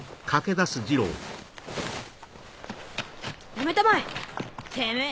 やめたまえ。